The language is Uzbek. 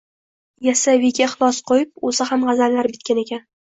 Yassaviyga ixlos qoʼyib, oʼzi ham gʼazallar bitgan ekan.